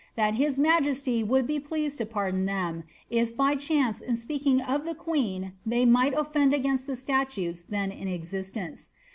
That his majesty would be pleased to pardon them, if by chance in speaking of the queen they might oflend against the statutes theo in existence.